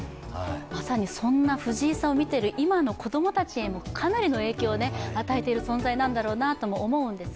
まさにそんな藤井さんを見ている今の子供たちへもかなりの影響を与えている存在なんだろうなとも思います。